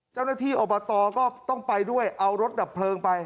เจ้าหน้าที่อบตก็ต้องไปด้วยเอารถดับเพลิงไป